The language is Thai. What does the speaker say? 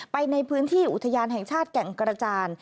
ไปในพื้นที่อุทยานแห่งชาติแก่งกระจาน